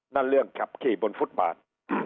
นั่นเรื่องขับขี่บนฟุตบาท